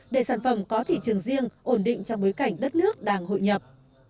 để sản phẩm có thị trường riêng ổn định trong bối cảnh đất nước đang hội nhập